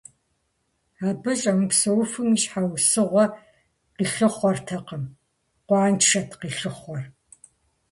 Абы щӏэмыпсэуфым и щхьэусыгъуэ къилъыхъуэртэкъым, къуаншэт къилъыхъуэр.